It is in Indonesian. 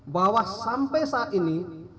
bahwa sampai saat ini